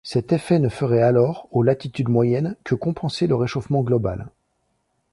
Cet effet ne ferait alors, aux latitudes moyennes, que compenser le réchauffement global.